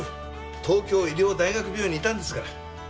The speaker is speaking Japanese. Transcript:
東京医療大学病院にいたんですから。